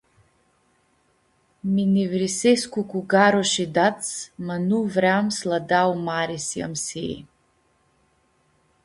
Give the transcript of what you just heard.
Mi-nivrisescu cu Garo shi Dats, ma nu vream s-lã dau mari siamsii.